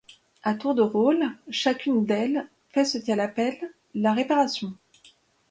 À tour de rôle chacune d'elles fait ce qu'elles appellent la réparation.